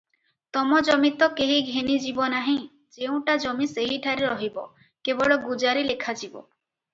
ତମ ଜମି ତ କେହି ଘେନିଯିବ ନାହିଁ, ଯେଉଁଠା ଜମି ସେହିଠାରେ ରହିବ, କେବଳ ଗୁଜାରେ ଲେଖାଯିବ ।